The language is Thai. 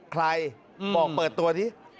ใครบอกเปิดตัวดิ